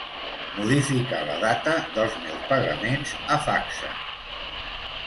Modificar la data dels meus pagaments a Facsa.